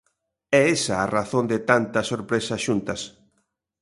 É esa a razón de tantas sorpresas xuntas.